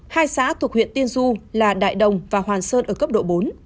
hai xã thuộc huyện tiên du là đại đồng và hoàn sơn ở cấp độ bốn